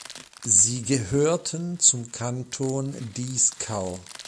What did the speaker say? Sie gehörten zum Kanton Dieskau.